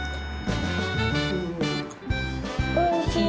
おいしい。